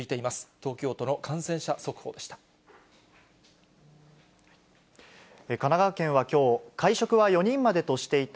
東京都の感染者速報でした。